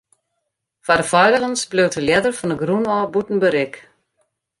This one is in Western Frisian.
Foar de feiligens bliuwt de ljedder fan 'e grûn ôf bûten berik.